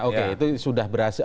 oke itu sudah berhasil